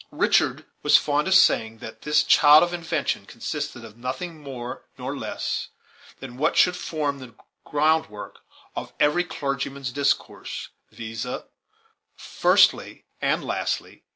Richard was fond of saying that this child of invention consisted of nothing more nor less than what should form the groundwork of every clergyman's discourse, viz., a firstly and a lastly.